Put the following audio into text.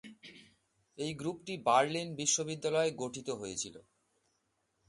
এই গ্রুপটি বার্লিন বিশ্ববিদ্যালয়ে গঠিত হয়েছিল।